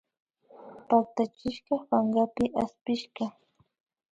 Pactachishka pankapi aspishka